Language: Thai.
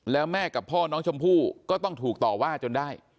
แล้วแม่กับพ่อน้องชมพู่ก็ต้องถูกต่อว่าจนได้